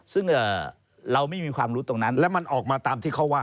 ซึ่งเราไม่มีความรู้ตรงนั้นและมันออกมาตามที่เขาว่า